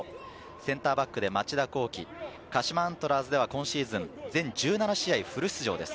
センターバックで町田浩樹、鹿島アントラーズでは今シーズン、全１７試合フル出場です。